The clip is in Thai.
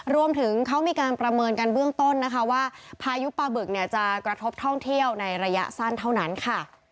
รวมถึงเขามีการประเมินกันเบื้องต้นนะคะว่าพายุปลาบึกเนี่ยจะกระทบท่องเที่ยวในระยะสั้นเท่านั้นค่ะ